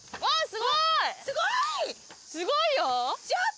すごい！